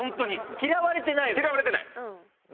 嫌われてない。